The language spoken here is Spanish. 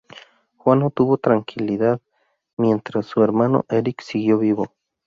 Juan no tuvo tranquilidad mientras su hermano Erik siguió vivo.